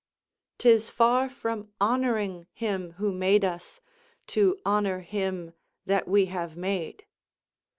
'Tis far from honouring him who made us, to honour him that we have made.